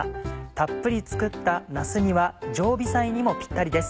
たっぷり作ったなす煮は常備菜にもぴったりです。